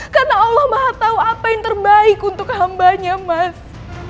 karena allah maha tahu apa yang terbaik untuk hambanya mas